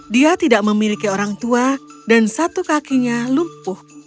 dia tidak memiliki orang tua dan satu kakinya lumpuh